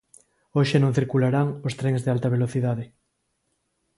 Hoxe non circularán os trens de alta velocidade.